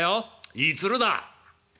いい鶴だ」。